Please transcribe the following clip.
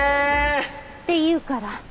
って言うから。